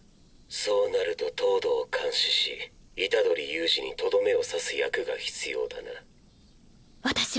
そうなると東堂を監視し虎杖悠仁にとどめを刺す役が必要だな。